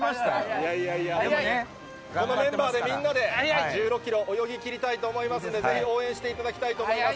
いやいやいや、このメンバーでみんなで１６キロ、泳ぎきりたいと思いますので、ぜひ、応援していただきたいと思います。